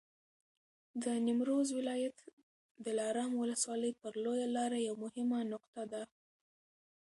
د نیمروز ولایت دلارام ولسوالي پر لویه لاره یوه مهمه نقطه ده.